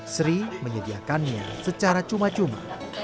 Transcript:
sri menyediakannya secara cuma cuma